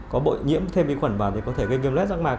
có bội nhiễm thêm vi khuẩn vào thì có thể gây viêm lét rác mạc